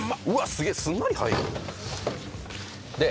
すげえすんなり入る。